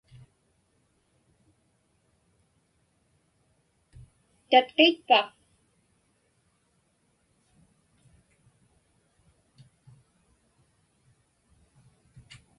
Tatqiitpa?